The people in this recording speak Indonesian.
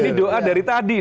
ini doa dari tadi